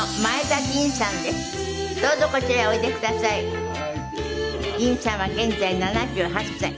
吟さんは現在７８歳。